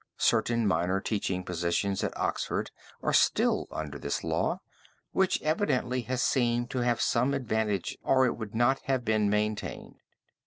Certain minor teaching positions at Oxford are still under this law, which evidently has seemed to have some advantage or it would not have been maintained.